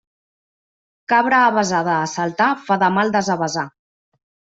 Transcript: Cabra avesada a saltar fa de mal desavesar.